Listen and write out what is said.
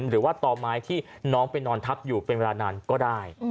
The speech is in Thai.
หรือว่าต่อไม้ที่น้องไปนอนทับอยู่เป็นเวลานานก็ได้